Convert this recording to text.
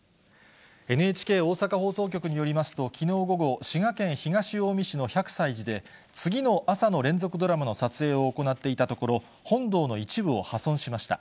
ＮＨＫ大阪放送局によりますと、きのう午後、滋賀県東近江市の百済寺で、次の朝の連続ドラマの撮影を行っていたところ、本堂の一部を破損しました。